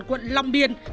quận long biên